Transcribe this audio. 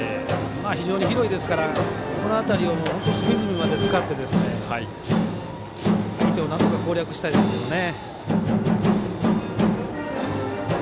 非常に広いですからこの辺りを隅々まで使って相手をなんとか攻略したいですけどね。